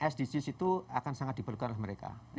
sdgs itu akan sangat diperlukan oleh mereka